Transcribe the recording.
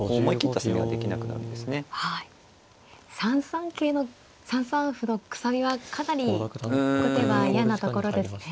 ３三歩のくさびはかなり後手は嫌なところですね。